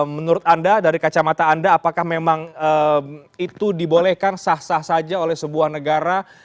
menurut anda dari kacamata anda apakah memang itu dibolehkan sah sah saja oleh sebuah negara